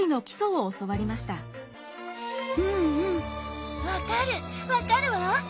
うんうん分かる分かるわ。